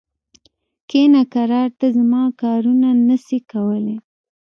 کښینه کرار! ته زما کارونه نه سې کولای.